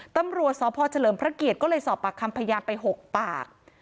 ตำรวจสพเฉลิมพระเกียรติก็เลยสอบปากคำพยานไป๖ปาก